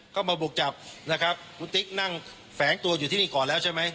ก็มาบุกจับนะครับคุณติ๊กนั่งแฝงตัวอยู่ที่นี่ก่อนแล้วใช่ไหม